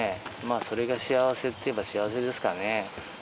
それが幸せっていえば幸せですかね。